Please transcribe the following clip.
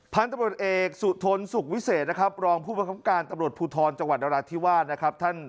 พันธ์ตำรวจเอกศุษฐนสุขวิเศษรองผู้ประคับการตำรวจภูทรจังหวัดเดลาลาธิวัน